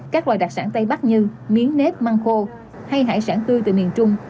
các loài đặc sản tây bắc như miếng nếp măng khô hay hải sản tươi từ miền trung